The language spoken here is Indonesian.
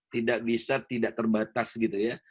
tidak bisa tidak terbatas gitu ya